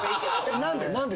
何で？